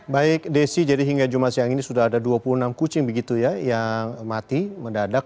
baik desi jadi hingga jumat siang ini sudah ada dua puluh enam kucing begitu ya yang mati mendadak